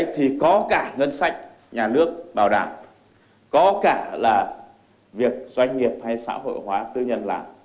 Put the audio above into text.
thì có cả ngân sách nhà nước bảo đảm có cả là việc doanh nghiệp hay xã hội hóa tư nhân làm